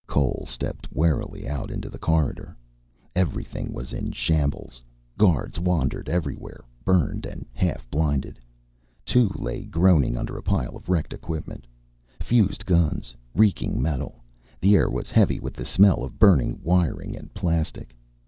Cole stepped warily out into the corridor. Everything was in shambles. Guards wandered everywhere, burned and half blinded. Two lay groaning under a pile of wrecked equipment. Fused guns, reeking metal. The air was heavy with the smell of burning wiring and plastic.